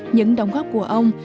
những đóng góp của ông